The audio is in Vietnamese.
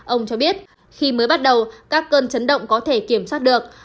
ông cho biết khi mới bắt đầu các cơn chấn động có thể kiểm soát được